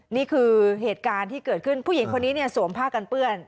นี่คือเหตุการณ์ที่เกิดขึ้นผู้หญิงคนนี้เนี่ยสวมผ้ากันเปื้อน